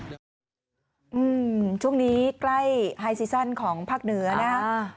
อืมช่วงนี้ใกล้ของภาคเหนือนะอ่า